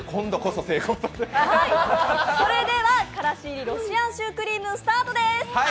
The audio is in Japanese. それではからし入りロシアンシュークリーム、スタートです！